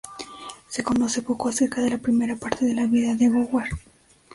Se conoce poco acerca de la primera parte de la vida de Gower.